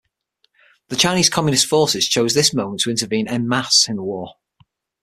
The Chinese Communist Forces choose this moment to intervene "en masse" in the war.